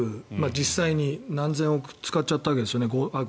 実際に何千億と使っちゃったわけですよね。